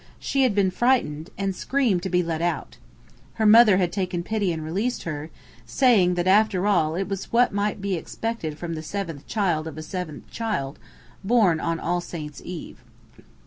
She had been frightened, and screamed to be let out. Her mother had taken pity and released her, saying that after all it was what "might be expected from the seventh child of a seventh child, born on All Saints' Eve."